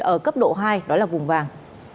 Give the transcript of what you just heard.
ở cấp độ hai là vùng vàng